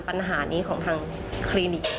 ปัญหานี้ของทางคลินิก